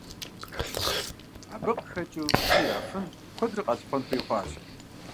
Абы къыхэкӏыу псы ирафын куэдрэ къалъыхъуэн хуей хъуащ.